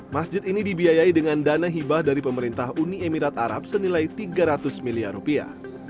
masjid ini dibiayai dengan dana hibah dari pemerintah uni emirat arab senilai tiga ratus miliar rupiah